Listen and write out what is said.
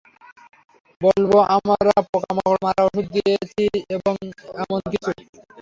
বলব আমরা পোকামাকড় মারার ওষুধ দিয়েছি বা এমন কিছু।